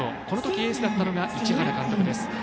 このときエースだったのが市原監督です。